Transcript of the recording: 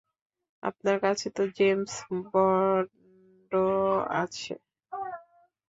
আপনার কাছে তো জেমস বন্ড আছে!